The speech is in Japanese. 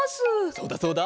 そうだそうだ。